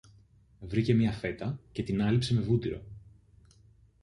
Βρήκε μια φέτα και την άλέιψε με βούτυρο